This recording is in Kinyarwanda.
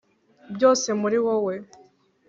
byose muri wowe.